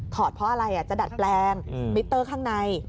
เพราะอะไรจะดัดแปลงมิเตอร์ข้างใน